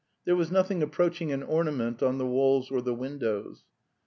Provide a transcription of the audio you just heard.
[here was nothing approaching an ornament on the walls: or the windows.